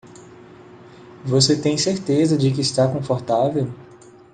Você tem certeza de que está confortável?